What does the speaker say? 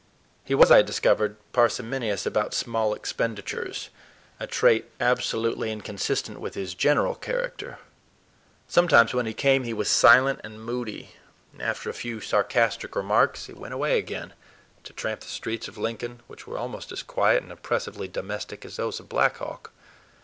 He was, I had discovered, parsimonious about small expenditures—a trait absolutely inconsistent with his general character. Sometimes when he came he was silent and moody, and after a few sarcastic remarks went away again, to tramp the streets of Lincoln, which were almost as quiet and oppressively domestic as those of Black Hawk.